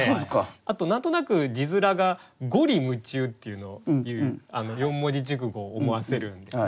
あと何となく字面が「五里霧中」っていう四文字熟語を思わせるんですね。